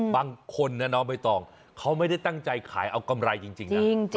บางคนนะน้องใบตองเขาไม่ได้ตั้งใจขายเอากำไรจริงนะ